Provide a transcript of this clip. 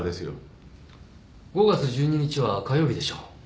５月１２日は火曜日でしょ。